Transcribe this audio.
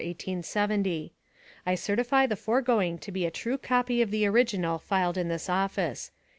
j I certify the foregoing to be a true copy of the original filed in this office.